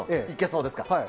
いけそうですか。